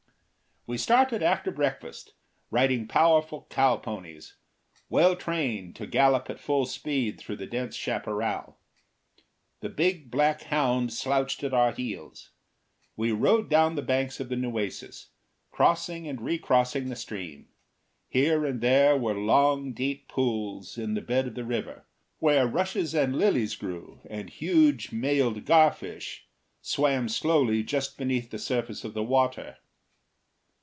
We started after breakfast, riding powerful cow ponies, well trained to gallop at full speed through the dense chaparral. The big black hound slouched at our heels. We rode down the banks of the Nueces, crossing and recrossing the stream. Here and there were long, deep pools in the bed of the river, where rushes and lilies grew and huge mailed garfish swam slowly just beneath the surface of the water.